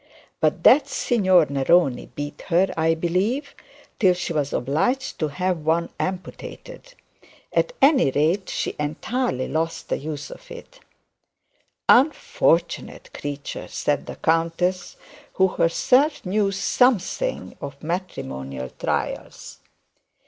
But that Signor Neroni beat her, I believe, till she was obliged to have one amputated. At any rate she entirely lost the use of it.' 'Unfortunate creature!' said the countess, who herself knew something of matrimonial trials.